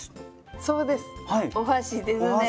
そうですお箸ですね。